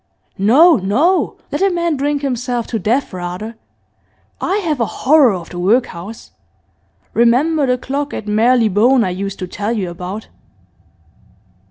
'No, no! Let a man drink himself to death rather. I have a horror of the workhouse. Remember the clock at Marylebone I used to tell you about.